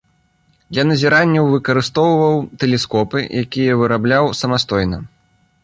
Для назіранняў выкарыстоўваў тэлескопы, якія вырабляў самастойна.